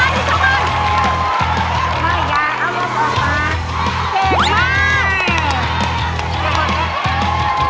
เก่งมาก